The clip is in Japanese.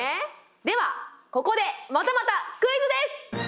ではここでまたまたクイズです。